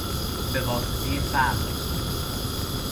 به واسطهی فقر